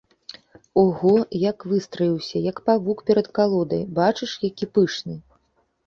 Ого, як выстраіўся, як павук перад калодай, бачыш, які пышны!